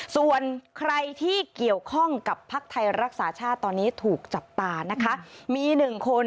ส่วนใครที่เกี่ยวข้องกับภักดิ์ไทยรักษาชาติตอนนี้ถูกจับตานะคะมีหนึ่งคน